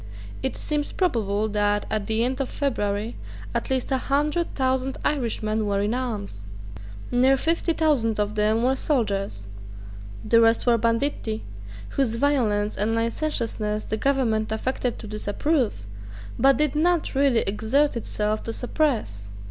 It seems probable that, at the end of February, at least a hundred thousand Irishmen were in arms. Near fifty thousand of them were soldiers. The rest were banditti, whose violence and licentiousness the Government affected to disapprove, but did not really exert itself to suppress.